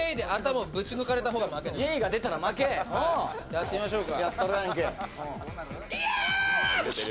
やってみましょうか。